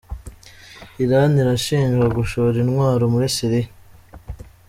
Irani irashinjwa gushora intwaro muri Siriya